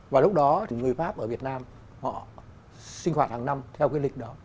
và lúc đó thì người pháp ở việt nam họ sinh hoạt hàng năm theo cái lịch đó